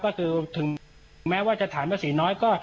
ก็คือถึงแม้ว่าจะฐานภาษีน้อยก็